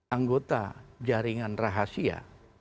anggota jaringan rahasia